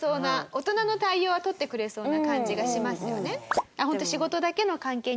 大人の対応は取ってくれそうな感じがしますよね。